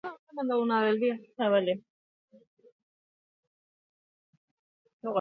Antzerkirako musika, pianorako lanak eta abestiak idatzi zituen.